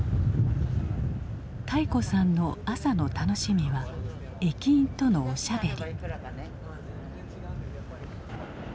泰子さんの朝の楽しみは駅員とのおしゃべり。